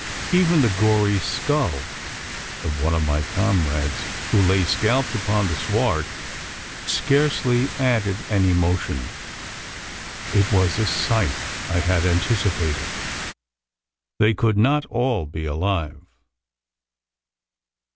Even the gory skull of one of my comrades, who lay scalped upon the sward, scarcely added an emotion. It was a sight I had anticipated. They could not all be alive.